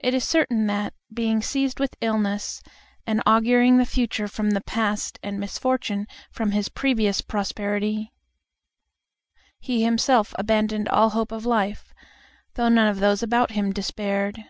It is certain that, being seized with illness, and auguring the future from the past and misfortune from his previous prosperity, he himself abandoned all hope of life, though none of those about him despaired.